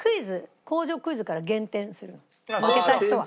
工場クイズから減点するの負けた人は。